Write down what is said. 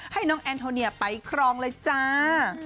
ให้น้องแอนโทเนียไปครองเลยจ้า